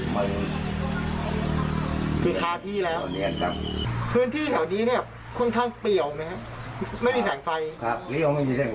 ไม่เคยเห็นครับก็ไม่เคยเห็นตอนที่หลับอยู่ก็ไม่ได้ยินเสียง